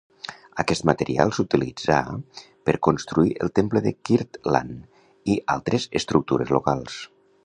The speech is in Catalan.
Aquest material s'utilitzà per construir el temple de Kirtland i altres estructures locals.